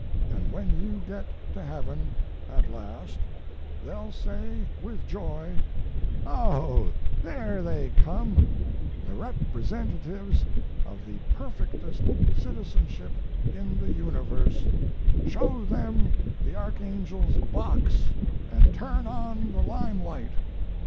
And when you get to heaven at last they'll say with joy, "Oh, there they come, the representatives of the perfectest citizenship in the universe show them the archangel's box and turn on the limelight!"